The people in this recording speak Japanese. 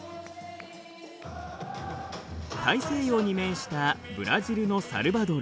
大西洋に面したブラジルのサルヴァドル。